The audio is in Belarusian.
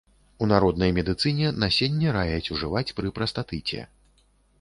У народнай медыцыне насенне раяць ужываць пры прастатыце.